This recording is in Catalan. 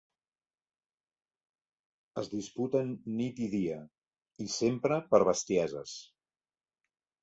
Es disputen nit i dia, i sempre per bestieses.